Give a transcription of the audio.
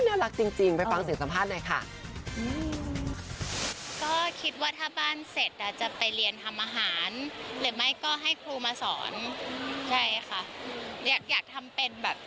น่ารักจริงไปฟังเสียงสัมภาษณ์หน่อยค่ะ